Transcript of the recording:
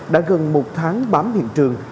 đã gần một tháng bám hiện trường